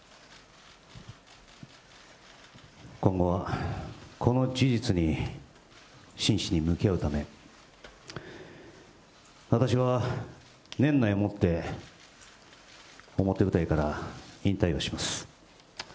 今後はこの事実に真摯に向き合うため、私は年内をもって表舞台から引退をします。